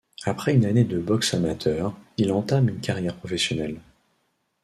Après une année de boxe amateur, il entame une carrière professionnelle.